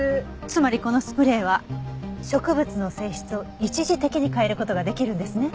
つまりこのスプレーは植物の性質を一時的に変える事ができるんですね。